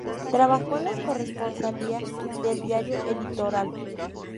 Trabajó en las corresponsalía del diario El Litoral.